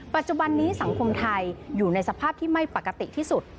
ปัจจุบันนี้สังคมไทยอยู่ในสภาพที่ไม่ปกติที่สุด